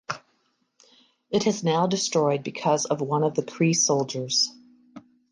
It has now destroyed because of one of the Kree soldiers.